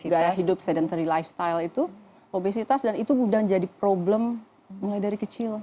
gaya hidup sedentary lifestyle itu obesitas dan itu sudah menjadi problem mulai dari kecil